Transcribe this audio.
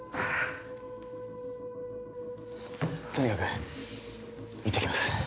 とにかく行ってきます